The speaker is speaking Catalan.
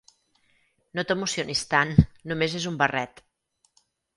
No t'emocionis tant, només és un barret.